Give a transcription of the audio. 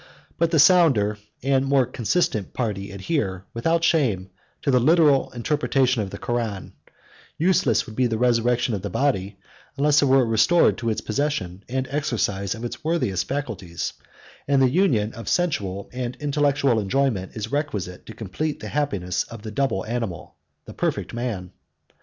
But the sounder and more consistent party adhere without shame, to the literal interpretation of the Koran: useless would be the resurrection of the body, unless it were restored to the possession and exercise of its worthiest faculties; and the union of sensual and intellectual enjoyment is requisite to complete the happiness of the double animal, the perfect man.